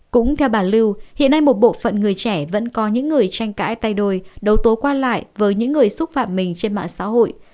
cũng theo bà lưu hiện nay một bộ phận người trẻ vẫn có những người tranh cãi tay đôi đấu tố quan lại với những người xúc phạm mình trên mạng xã hội